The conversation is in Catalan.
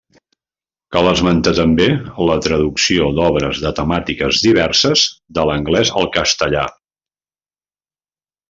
Cal esmentar també la traducció d’obres de temàtiques diverses de l'anglès al castellà.